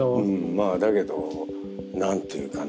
まあだけど何ていうかな。